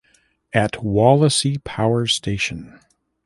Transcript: At Wallasey power station.